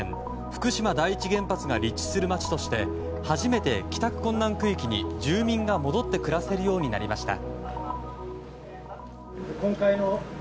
福島第一原発が立地する町として初めて帰宅困難区域に住民が戻って暮らせるようになりました。